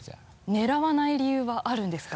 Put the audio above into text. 狙わない理由はあるんですか？